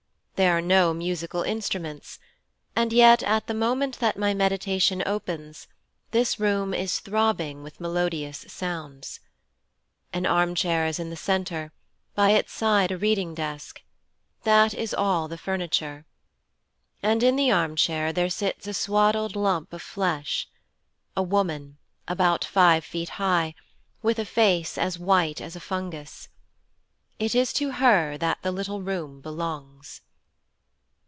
There are no musical instruments, and yet, at the moment that my meditation opens, this room is throbbing with melodious sounds. An armchair is in the centre, by its side a reading desk that is all the furniture. And in the armchair there sits a swaddled lump of flesh a woman, about five feet high, with a face as white as a fungus. It is to her that the little room belongs.